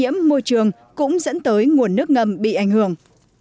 nhiễm môi trường cũng dẫn tới nguồn nước ngầm bị ảnh hưởng